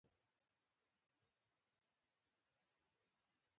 په دغه وخت کې بهلول د وخت وزیر ولید.